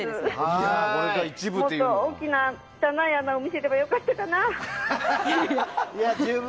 もっと汚い穴を見せれば良かったかな。